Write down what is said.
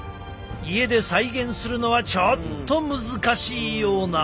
家で再現するのはちょっと難しいような。